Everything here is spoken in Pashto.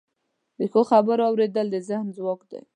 د ښو خبرو اوریدل د ذهن ځواک دی.